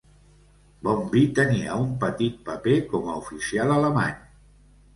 Bonvi tenia un petit paper com a oficial alemany.